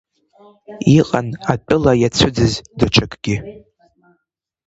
Иҟан атәыла иацәыӡыз даҽакгьы.